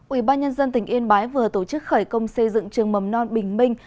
ủy ban nhân dân tỉnh yên bái vừa tổ chức khởi công xây dựng trường mầm non bình minh